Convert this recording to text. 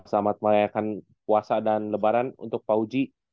selamat merayakan puasa dan lebaran untuk pak uji